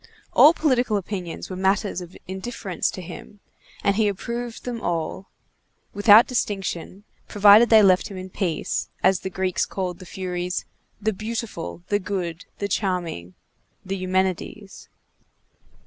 All political opinions were matters of indifference to him, and he approved them all, without distinction, provided they left him in peace, as the Greeks called the Furies "the beautiful, the good, the charming," the Eumenides.